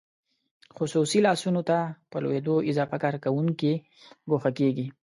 خصوصي لاسونو ته په لوېدو اضافه کارکوونکي ګوښه کیږي.